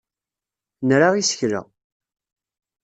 Nra isekla.